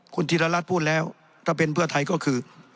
คุณธิรรัฐพูดแล้วถ้าเป็นเพื่อไทยก็คือ